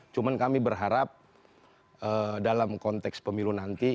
cuma kami berharap dalam konteks pemilu nanti